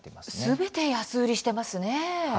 すべて安売りしてますね。